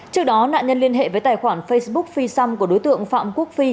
trước đó nạn nhân liên hệ với tài khoản facebook phi xăm của đối tượng phạm quốc phi